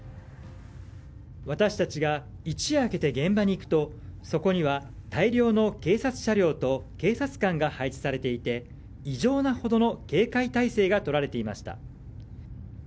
私たちが一夜明けて現場に行くとそこには大量の警察車両と警察官が配置されていて異常なほどの警戒態勢がとられていました。